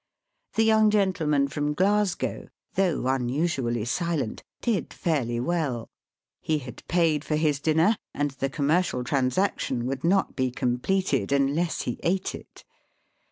The young gentleman from Glasgow, though un usually silent, did fairly well. He had paid for his dinner, and the commercial transaction would not be completed unless he ate it.